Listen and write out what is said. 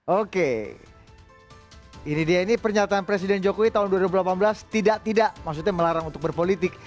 oke ini dia ini pernyataan presiden jokowi tahun dua ribu delapan belas tidak tidak maksudnya melarang untuk berpolitik